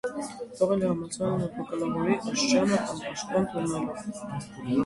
Թողել է համալսարանը բակալավրի աստիճանը անպաշտպան թողնելով։